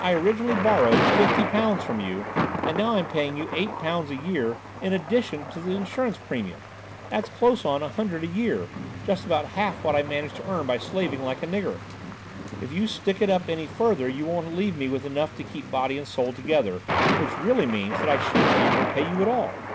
I originally borrowed fifty pounds from you, and I'm now paying you eighty pounds a year in addition to the insurance premium. That's close on a hundred a year; just about half that I manage to earn by slaving like a nigger. If you stick it up any farther you won't leave me enough to keep body and soul together; which really means that I shan't be able to pay you at all."